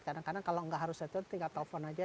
kadang kadang kalau nggak harus setuju tinggal telfon saja